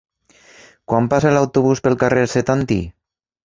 Quan passa l'autobús pel carrer Setantí?